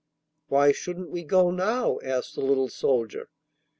'Why shouldn't we go now?' asked the little soldier.